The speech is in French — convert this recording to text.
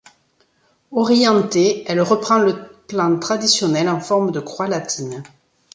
Orientée, elle reprend le plan traditionnel en forme de croix latine.